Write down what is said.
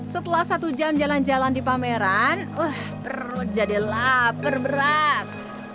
setelah satu jam jalan jalan di pameran oh perut jadi lapar berat